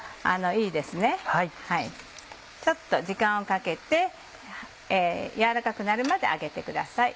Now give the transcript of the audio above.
ちょっと時間をかけて軟らかくなるまで揚げてください。